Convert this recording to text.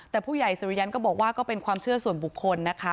แต่ผู้ใหญ่สุริยันก็บอกว่าก็เป็นความเชื่อส่วนบุคคลนะคะ